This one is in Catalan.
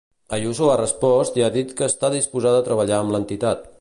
Ayuso ha respost i ha dit que està disposada a treballar amb l'entitat.